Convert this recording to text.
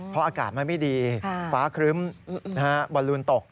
เพราะอากาศมันไม่ดีฟ้าครึ้มบอลลูนตก